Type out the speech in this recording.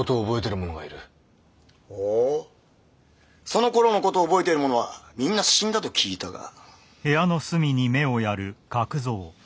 そのころの事を覚えてる者はみんな死んだと聞いたが？